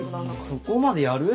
そこまでやる？